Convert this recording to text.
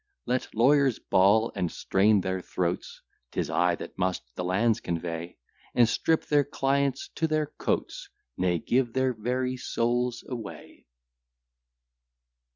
Let lawyers bawl and strain their throats: 'Tis I that must the lands convey, And strip their clients to their coats; Nay, give their very souls away.